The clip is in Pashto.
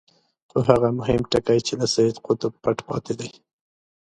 خو هغه مهم ټکی چې له سید قطب پټ پاتې دی.